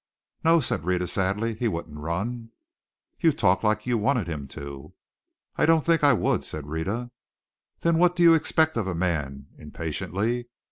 "No," said Rhetta, sadly, "he wouldn't run." "You talk like you wanted him to!" "I don't think I would," said Rhetta. "Then what do you expect of a man?" impatiently.